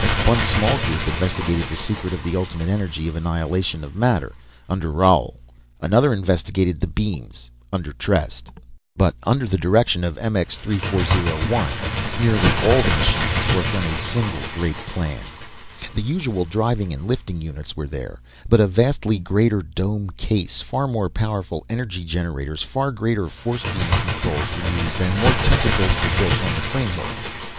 One small group investigated the secret of the Ultimate Energy of annihilation of matter under Roal, another investigated the beams, under Trest. But under the direction of MX 3401, nearly all the machines worked on a single great plan. The usual driving and lifting units were there, but a vastly greater dome case, far more powerful energy generators, far greater force beam controls were used and more tentacles were built on the framework.